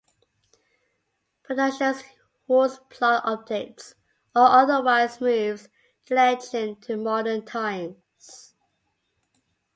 Productions whose plot "updates" or otherwise moves the legend to modern times.